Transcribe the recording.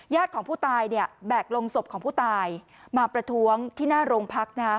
ญาติของผู้ตายเนี่ยแบกลงศพของผู้ตายมาประท้วงที่หน้าโรงพักนะฮะ